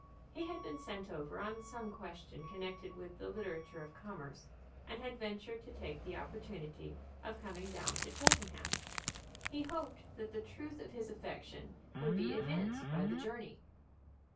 He had been sent over on some question connected with the literature of commerce, and had ventured to take the opportunity of coming down to Cheltenham. He hoped that the truth of his affection would be evinced by the journey.